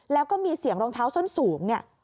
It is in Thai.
แล้วก็มีเสียงรองเท้าส้นสูงเนี่ย